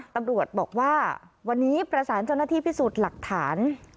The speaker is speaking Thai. ตำรวจบอกว่าวันนี้ประสานเจ้าหน้าที่พิสูจน์หลักฐาน